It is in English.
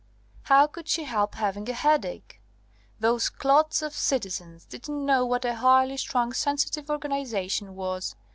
How could she help having a headache? Those clods of citizens didn't know what a highly strung sensitive organisation was.